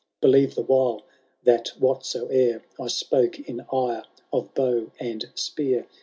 Believe the while, that whatsoe'er I spoke, in ire, of bow and spear.